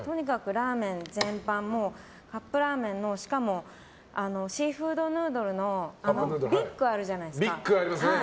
ラーメン全般カップラーメンのしかもシーフードヌードルのＢＩＧあるじゃないですか。